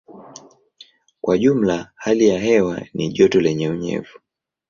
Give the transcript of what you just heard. Kwa jumla hali ya hewa ni joto lenye unyevu.